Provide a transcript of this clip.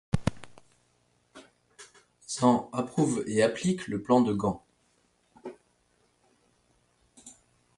Zan approuve et applique le plan de Guan.